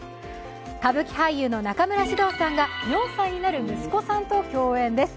歌舞伎俳優の中村獅童さんが４歳になる息子さんと共演です。